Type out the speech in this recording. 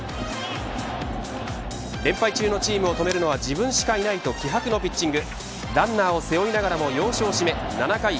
連敗中のチームを止めるのは自分しかいないと気迫のピッチング。